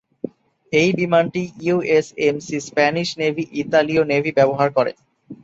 এই বিমানটি U S M C, Spanish navy, ইতালীয় নেভি ব্যবহার করে।